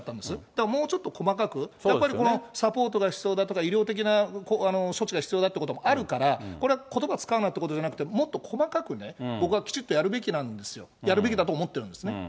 だからもうちょっと細かく、やっぱりこのサポートが必要だとか、医療的な処置が必要だっていうこともあるから、これはことば使うなってことじゃなくて、もっと細かくね、僕はきちっとやるべきなんですよ、やるべきだと思ってるんですね。